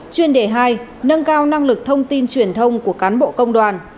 chuyên đề hai nâng cao năng lực thông tin truyền thông của cán bộ công đoàn